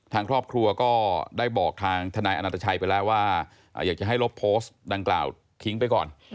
ทางครอบครัวก็ได้บอกทางทนายอนันตชัยไปแล้วว่าอยากจะให้ลบโพสต์ดังกล่าวทิ้งไปก่อน